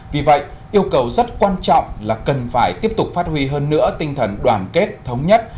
vì vậy yêu cầu rất quan trọng là cần phải tiếp tục phát huy hơn nữa tinh thần đoàn kết thống nhất